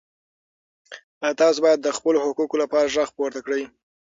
تاسو باید د خپلو حقوقو لپاره غږ پورته کړئ.